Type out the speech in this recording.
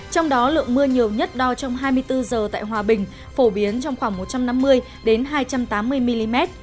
trong đó lượng mưa nhiều nhất đo trong hai mươi bốn giờ tại hòa bình phổ biến trong khoảng một trăm năm mươi hai trăm tám mươi mm